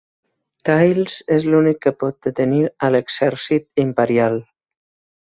Tails és l'únic que pot detenir a l'exèrcit imperial.